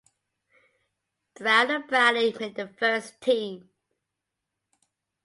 Brown and Brady made the first team.